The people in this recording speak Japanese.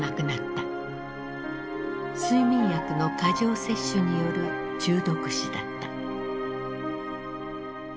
睡眠薬の過剰摂取による中毒死だった。